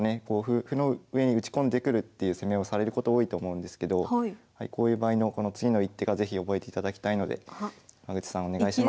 歩の上に打ち込んでくるっていう攻めをされること多いと思うんですけどこういう場合の次の一手が是非覚えていただきたいので山口さんお願いします。